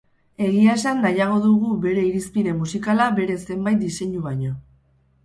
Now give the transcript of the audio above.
Egia esan, nahiago dugu bere irizpide musikala bere zenbait diseinu baino.